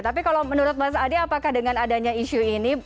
tapi kalau menurut mas adi apakah dengan adanya isu ini